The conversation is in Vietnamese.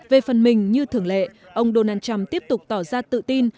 về phần mình như thường lệ ông donald trump tiếp tục tỏ ra tự tin